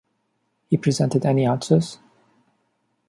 He presented Any Answers?